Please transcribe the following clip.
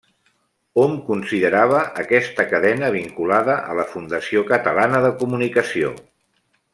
Hom considerava aquesta cadena vinculada a la Fundació Catalana de Comunicació.